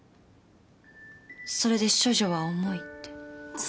それで処女は重いって。